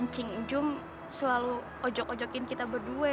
cing cing selalu ojok ojokin kita berdua